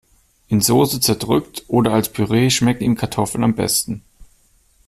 In Soße zerdrückt oder als Püree schmecken ihm Kartoffeln am besten.